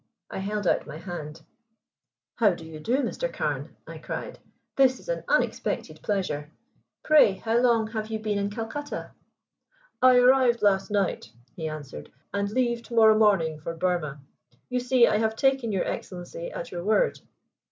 I held out my hand. "How do you do, Mr. Carne?" I cried. "This is an unexpected pleasure. Pray how long have you been in Calcutta?" "I arrived last night," he answered, "and leave to morrow morning for Burma. You see, I have taken your Excellency at your word."